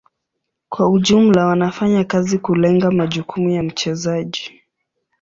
Kwa ujumla wanafanya kazi kulenga majukumu ya mchezaji.